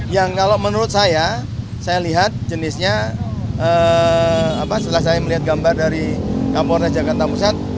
yang kalau menurut saya saya lihat jenisnya setelah saya melihat gambar dari kapolres jakarta pusat